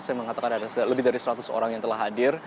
saya mengatakan ada lebih dari seratus orang yang telah hadir